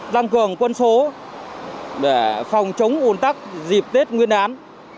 tăng cường quân số để phòng chống ồn tắc dịp tết nguyên án